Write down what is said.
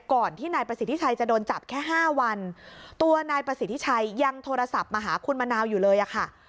ก่อนที่นายประสิทธิชัยจะโดนจับแค่ห้าวันตัวนายประสิทธิชัยยังโทรศัพท์มาหาคุณมะนาวอยู่เลยอะค่ะ